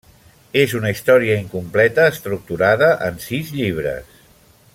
És una història incompleta estructurada en sis llibres.